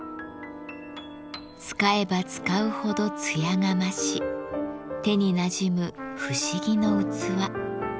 使えば使うほど艶が増し手になじむ不思議の器。